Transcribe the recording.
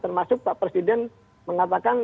termasuk pak presiden mengatakan